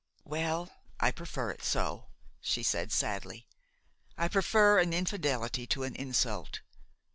"Well, I prefer it so," she said sadly; "I prefer an infidelity to an insult.